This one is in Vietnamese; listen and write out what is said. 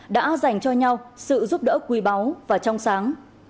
đã dành cho nhau sự giúp đỡ quý báu và trong sáng